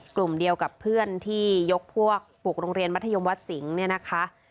กลุ่มเดียวกับเพื่อนที่ยกพวกปลูกโรงเรียนมัธยมวัดสิงห์เนี่ยนะคะ